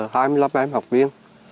và được hai mươi năm em học viên